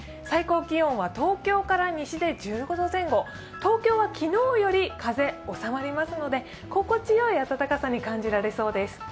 最高気温は東京から西で１４度前後、東京は昨日より風が落ち着きますので、心地よい暖かさに感じられそうです。